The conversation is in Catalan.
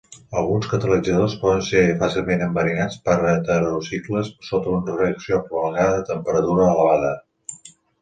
Alguns catalitzadors poden ser fàcilment enverinats per heterocicles sota una reacció prolongada a temperatura elevada.